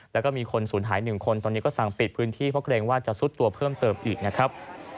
แล้วก็มีคนสูญหาย๑คนตอนนี้ก็สั่งปิดพื้นที่เพราะเกรงว่าจะซุดตัวเพิ่มเติมอีกนะครับ